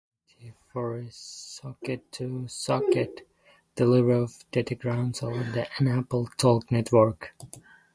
Its main responsibility is for socket-to-socket delivery of datagrams over an AppleTalk network.